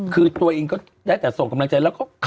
คือตัวเองก็ได้แต่ส่งกำลังใจแล้วก็